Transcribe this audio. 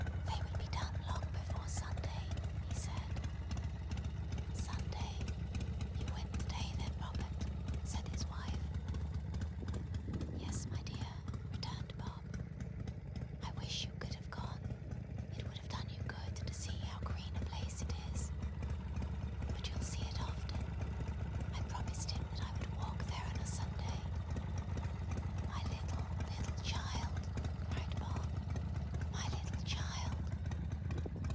They would be done long before Sunday, he said. "Sunday! You went to day, then, Robert?" said his wife. "Yes, my dear," returned Bob. "I wish you could have gone. It would have done you good to see how green a place it is. But you'll see it often. I promised him that I would walk there on a Sunday. My little, little child!" cried Bob. "My little child!"